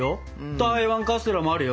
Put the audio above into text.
台湾カステラもあるよ。